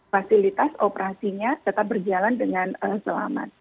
fasilitas operasinya tetap berjalan dengan selamat